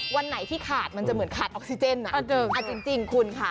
วันไหนที่ขาดมันจะเหมือนขาดออกซิเจนอ่ะจริงคุณค่ะ